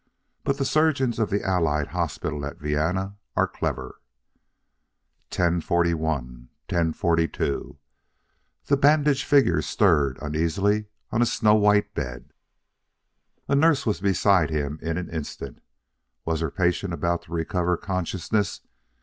But the surgeons of the Allied Hospital at Vienna are clever. 10:41 10:42 The bandaged figure stirred uneasily on a snow white bed.... A nurse was beside him in an instant. Was her patient about to recover consciousness?